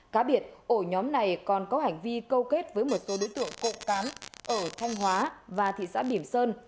cá biệt ổ nhóm này còn có hành vi câu kết với một số đối tượng cộng cán ở thanh hóa và thị xã bỉm sơn